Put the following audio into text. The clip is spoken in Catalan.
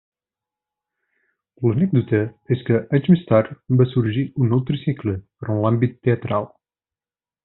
L’anècdota és que, anys més tard va sorgir un nou Tricicle però en l’àmbit teatral.